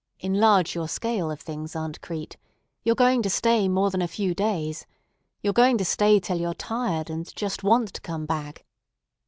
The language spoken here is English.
"Enlarge your scale of things, Aunt Crete. You're going to stay more than a few days. You're going to stay till you're tired, and just want to come back.